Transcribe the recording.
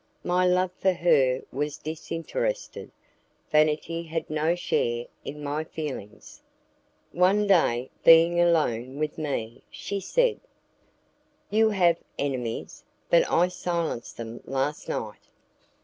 My love for her was disinterested; vanity had no share in my feelings. One day, being alone with me, she said, "You have enemies, but I silenced them last night."